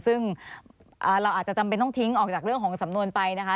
ซึ่งเราอาจจะจำเป็นต้องทิ้งออกจากเรื่องของสำนวนไปนะคะ